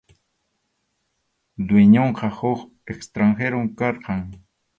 Dueñonqa huk extranjerom karqan.